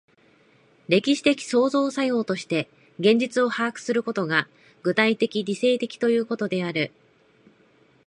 歴史的創造作用として現実を把握することが、具体的理性的ということである。